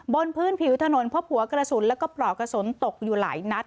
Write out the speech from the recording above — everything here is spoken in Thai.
บนพื้นผิวถนนพบหัวกระสุนแล้วก็ปลอกกระสุนตกอยู่หลายนัด